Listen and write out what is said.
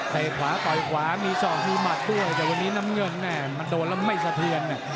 เตะขวาต่อยขวามี๒มีหมัดด้วยแต่วันนี้น้ำเงินแน่มันโดนแล้วไม่เสียเทียน